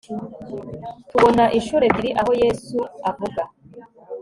tubona incuro ebyiri aho yesu avuga